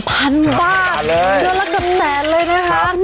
เยอะละกันแสนเลยนะครับ